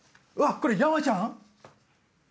これ山ちゃん？